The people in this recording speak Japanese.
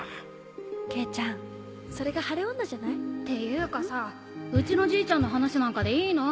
圭ちゃんそれが晴れ女じゃない？っていうかさうちのじいちゃんの話なんかでいいの？